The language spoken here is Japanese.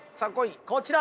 こちら。